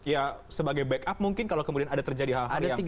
ya sebagai backup mungkin kalau kemudian ada terjadi hal hal yang